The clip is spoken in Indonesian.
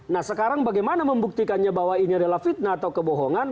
nah sekarang bagaimana membuktikannya bahwa ini adalah fitnah atau kebohongan